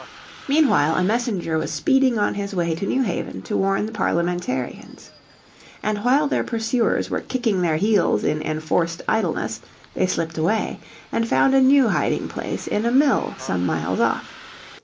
Meanwhile a messenger was speeding on his way to New Haven to warn the Parliamentarians. And while their pursuers were kicking their heels in enforced idleness they slipped away, and found a new hiding place in a mill some miles off.